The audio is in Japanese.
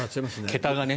桁がね。